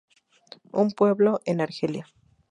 Un pueblo en Argelia.